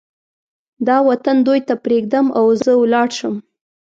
دا وطن دوی ته پرېږدم او زه ولاړ شم.